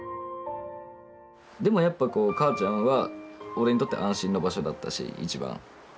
でもやっぱこう母ちゃんは俺にとって安心な場所だったし一番。